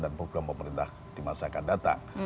dan program pemerintah di masa akan datang